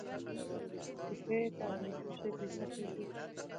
تصحیح د عربي ژبي ټکی دﺉ.